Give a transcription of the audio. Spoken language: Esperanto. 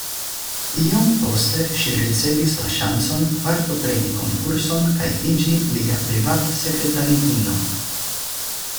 Iom poste ŝi ricevis la ŝancon, partopreni konkurson kaj iĝi lia privat-sekretariino.